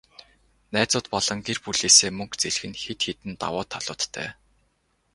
Найзууд болон гэр бүлээсээ мөнгө зээлэх нь хэд хэдэн давуу талуудтай.